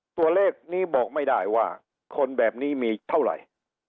ตัวเลขนี้บอกไม่ได้ว่าคนแบบนี้มีเท่าไหร่